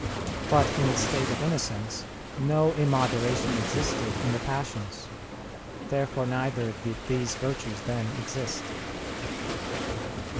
But in the state of innocence no immoderation existed in the passions. Therefore neither did these virtues then exist.